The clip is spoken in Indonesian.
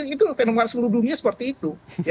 itu fenomena seluruh dunia seperti itu